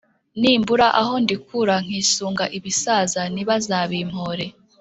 nimbura aho ndikura nkisunga ibisaza nibaza bimpore